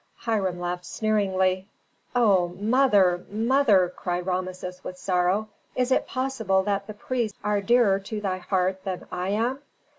Hiram laughed sneeringly. "O mother, mother!" cried Rameses, with sorrow. "Is it possible that the priests are dearer to thy heart than I am?"